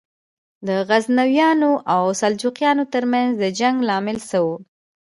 د غزنویانو او سلجوقیانو تر منځ د جنګ لامل څه و؟